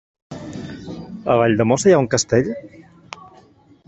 A Valldemossa hi ha un castell?